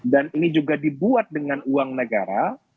dan ini juga dibuat dengan uang negara